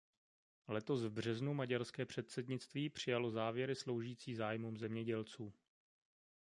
Letos v březnu maďarské předsednictví přijalo závěry sloužící zájmům zemědělců.